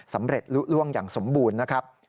สำเร็จลุล่วงอย่างสมบูรณ์นะครับ